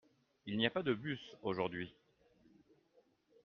Il n'y a pas de bus aujourd'hui.